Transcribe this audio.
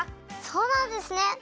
そうなんですね。